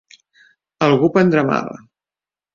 Algú prendrà mal!